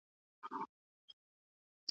د کوټو لوی قندیلونه له ورایه ښکاري.